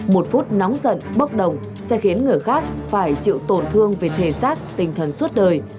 một phút nóng giận bốc đồng sẽ khiến người khác phải chịu tổn thương về thể xác tinh thần suốt đời